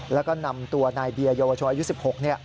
แล้วก็นำตัวนายเบียร์เยาวชนอายุ๑๖เนี่ย